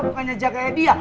pokoknya jaga dia